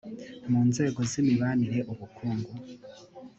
mu nzego z imibanire ubukungu